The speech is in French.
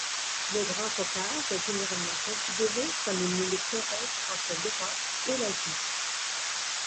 Le Grand Caucase est généralement considéré comme une limite terrestre entre l'Europe et l'Asie.